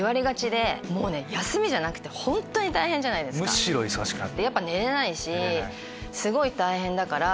むしろ忙しくなる。